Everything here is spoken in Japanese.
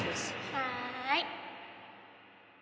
はい。